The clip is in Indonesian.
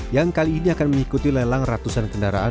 yang kali ini akan mengikuti lelang ratusan kendaraan